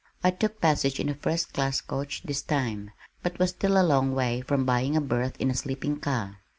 I took passage in a first class coach this time, but was still a long way from buying a berth in a sleeping car.